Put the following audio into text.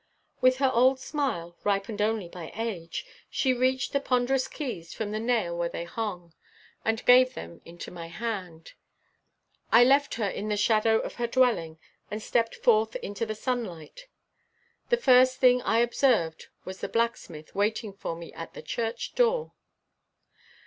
With her old smile, ripened only by age, she reached the ponderous keys from the nail where they hung, and gave them into my hand. I left her in the shadow of her dwelling, and stepped forth into the sunlight. The first thing I observed was the blacksmith waiting for me at the church door.